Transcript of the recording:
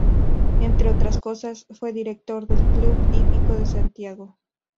Entre otras cosas, fue director del Club Hípico de Santiago.